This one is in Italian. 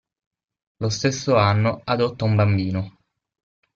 Lo stesso anno adotta un bambino.